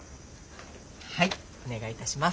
はいお願いいたします。